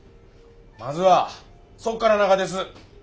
まずはそっからながです。